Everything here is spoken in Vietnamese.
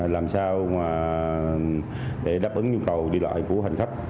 làm sao mà để đáp ứng nhu cầu đi lại của hành khách